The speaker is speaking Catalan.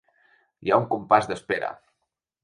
Hi ha un compàs d’espera.